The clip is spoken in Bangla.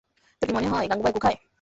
তোর কি মনে হয় গাঙুবাই গু খায়?